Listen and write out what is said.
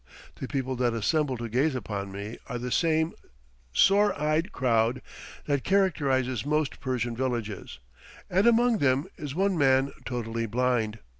The people that assemble to gaze upon me are the same sore eyed crowd that characterizes most Persian villages; and among them is one man totally blind.